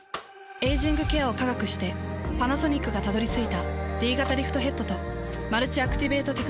エイジングケアを科学してパナソニックがたどり着いたＤ型リフトヘッドとマルチアクティベートテクノロジー。